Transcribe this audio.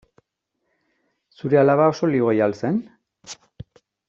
Zure alaba oso ligoia al zen?